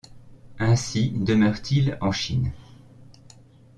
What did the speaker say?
Aussi demeure-t-il en Chine.